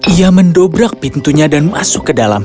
ia mendobrak pintunya dan masuk ke dalam